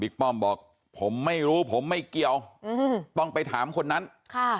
ป้อมบอกผมไม่รู้ผมไม่เกี่ยวอืมต้องไปถามคนนั้นค่ะ